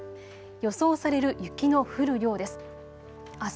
予想される雪の降る量です。